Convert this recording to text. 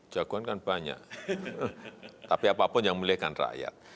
jagoan kan banyak tapi apapun yang memilihkan rakyat